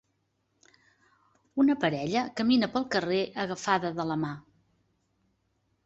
Una parella camina pel carrer agafada de la mà.